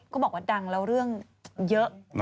บอกว่าดังแล้วเรื่องเยอะ